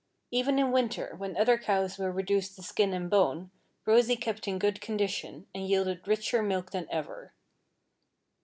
Even in Winter, when other cows were reduced to skin and bone, Rosy kept in good condition, and yielded richer milk than ever.